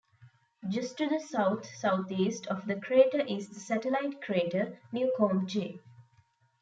Just to the south-southeast of the crater is the satellite crater Newcomb J.